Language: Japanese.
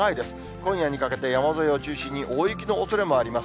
今夜にかけて、山沿いを中心に大雪のおそれもあります。